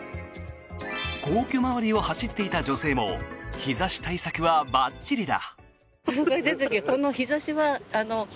皇居周りを走っていた女性も日差し対策はばっちりだ。